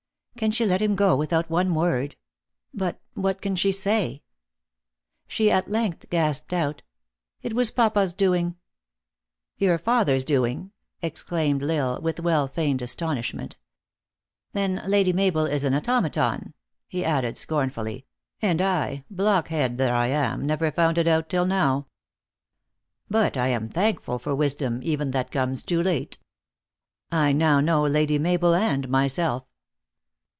Can she let him go without one word? But what can she say? She, at length, gasped out, "It was papa s doing." " Your father s doing !" exclaimed L Isle, with well feigned astonishment. " Then Lady Mabel is an automaton," he added scornfully, " and I, blockhead that I am, never found it out till no\v ! But I am thankful for wisdom even that comes too late. I now know Lady Mabel and myself."